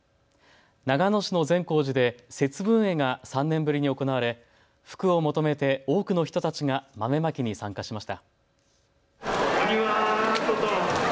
長野市の善光寺で節分会が３年ぶりに行われ福を求めて多くの人たちが豆まきに参加しました。